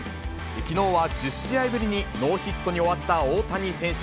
きのうは１０試合ぶりにノーヒットに終わった大谷選手。